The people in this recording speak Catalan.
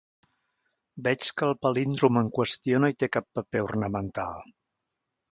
Veig que el palíndrom en qüestió no hi té cap paper ornamental.